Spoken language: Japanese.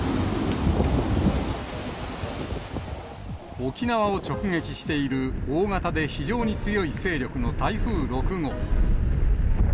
沖縄を直撃している大型で非常に強い勢力の台風６号。